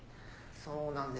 そうなんです。